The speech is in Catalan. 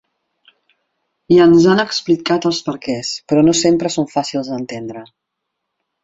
I ens han explicat els perquès, però no sempre són fàcils d’entendre.